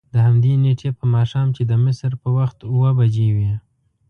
د همدې نېټې په ماښام چې د مصر په وخت اوه بجې وې.